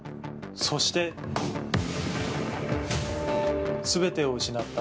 そして、すべてを失った。